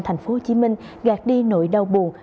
thành phố hồ chí minh gạt đi nỗi đau buồn